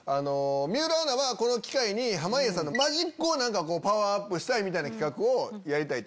水卜アナはこの機会に「濱家さんのマジックをパワーアップしたい」みたいな企画をやりたいと。